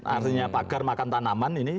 artinya pagar makan tanaman ini